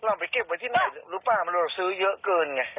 คือของใครอ่ะฮะเราไปเก็บไว้ที่ไหนรู้ป่าวมันเราซื้อเยอะเกินไง